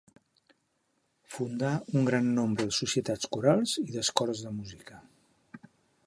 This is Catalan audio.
Fundà un gran nombre de societats corals i d'escoles de música.